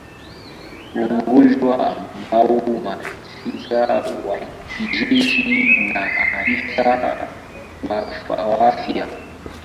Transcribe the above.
ugonjwa ambao maafisa wa kijeshi na afisa wa afya kutoka umoja huo wanajaribu kudhibiti